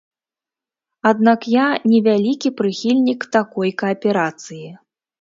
Аднак я не вялікі прыхільнік такой кааперацыі.